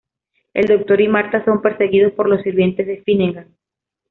El Doctor y Martha son perseguidos por los sirvientes de Finnegan.